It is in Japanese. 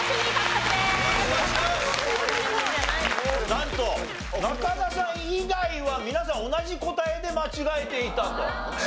なんと中田さん以外は皆さん同じ答えで間違えていたと。